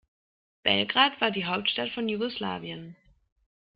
Belgrad war die Hauptstadt von Jugoslawien.